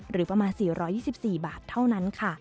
หรือประมาณ๔๒๔บาทเท่านั้นค่ะ